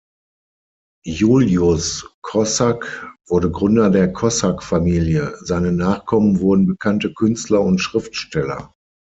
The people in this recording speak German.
Juliusz Kossak wurde Gründer der Kossak-Familie; seine Nachkommen wurden bekannte Künstler und Schriftsteller.